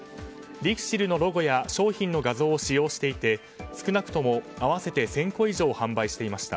ＬＩＸＩＬのロゴや商品の画像を使用していて、少なくとも合わせて１０００個以上販売していました。